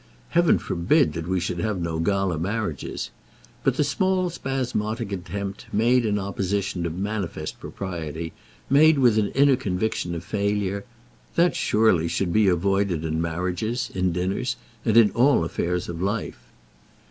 Heaven forbid that we should have no gala marriages. But the small spasmodic attempt, made in opposition to manifest propriety, made with an inner conviction of failure, that surely should be avoided in marriages, in dinners, and in all affairs of life.